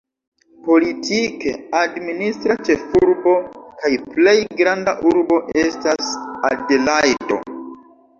Politike administra ĉefurbo kaj plej granda urbo estas Adelajdo.